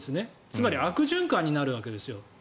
つまり悪循環になるわけですよ。